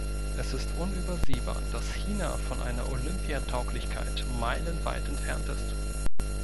Es ist unübersehbar, dass China von einer Olympia-Tauglichkeit meilenweit entfernt ist.